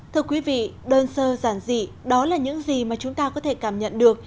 thưa quý vị đơn sơ giản dị đó là những gì mà chúng ta có thể cảm nhận được